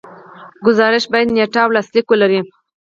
ګزارش باید نیټه او لاسلیک ولري.